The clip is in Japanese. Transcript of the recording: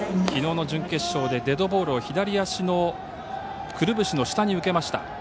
きのうの準決勝でデッドボールを左足のくるぶしの下に受けました。